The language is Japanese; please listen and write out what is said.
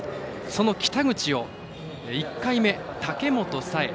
その北口を１回目、武本紗栄